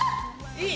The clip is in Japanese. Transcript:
いい！